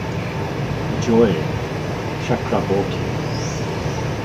Ajoy Chakraborty.